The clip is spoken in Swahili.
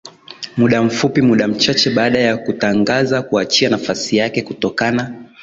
muda mfupi muda mchache baada ya kutangaza kuachia nafasi yake kutokana